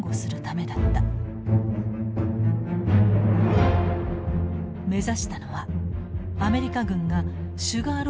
目指したのはアメリカ軍がシュガーローフと呼んだ小高い丘。